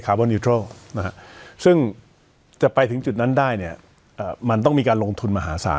คาร์บอนนะฮะซึ่งจะไปถึงจุดนั้นได้เนี้ยอ่ามันต้องมีการลงทุนมหาศาล